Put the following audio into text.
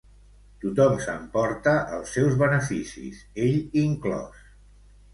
Tothom s'emporta els seus beneficis, ell inclòs.